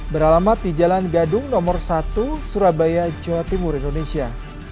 beralamat di jalan gadung nomor satu surabaya jawa timur indonesia